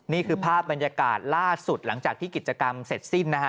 นี่คือภาพบรรยากาศล่าสุดหลังจากที่กิจกรรมเสร็จสิ้นนะฮะ